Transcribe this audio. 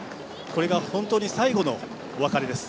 これが本当に最後のお別れです。